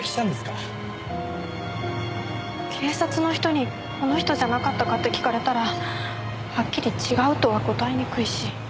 警察の人にこの人じゃなかったかって聞かれたらはっきり違うとは答えにくいし。